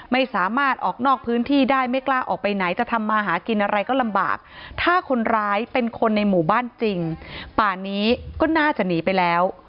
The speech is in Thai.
ไม่สามารถออกนอกพื้นที่ได้ไม่กล้าออกไปไหนจะทำมาหากินอะไรก็ลำบากถ้าคนร้ายเป็นคนในหมู่บ้านจริงป่านี้ก็น่าจะหนีไปแล้ว